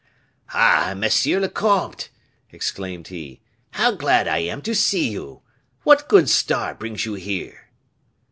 "Ah! monsieur le comte!" exclaimed he, "how glad I am to see you! What good star brings you here?"